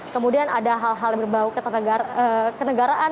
kemudian ada hal hal yang berbau kenegaraan